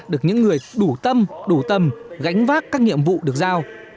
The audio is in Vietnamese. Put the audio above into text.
được những người đủ tâm đủ tầm gánh vác các nhiệm vụ được giao